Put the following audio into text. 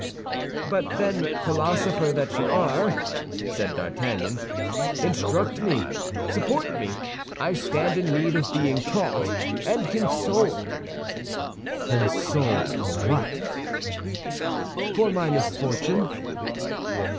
"But then, philosopher that you are," said D'Artagnan, "instruct me, support me. I stand in need of being taught and consoled." "Consoled for what?" "For my misfortune."